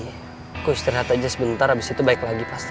terus istirahat aja sebentar abis itu balik lagi pasti